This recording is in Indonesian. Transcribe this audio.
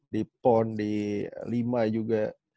di pon di lima juga